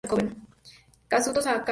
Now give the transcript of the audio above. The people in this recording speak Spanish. Kazuto Sakamoto